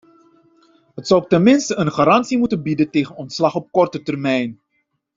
Het zou ook ten minste een garantie moeten bieden tegen ontslag op korte termijn.